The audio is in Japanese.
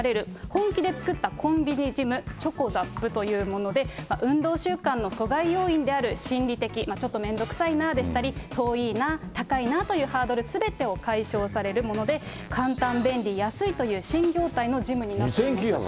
本気で作ったコンビニジム、チョコザップというもので、運動習慣の阻害要因である心理的、ちょっとめんどくさいなでしたり、遠いな、高いなというハードルすべてを解消されるもので、簡単、便利、安いという新業態のジムになっています。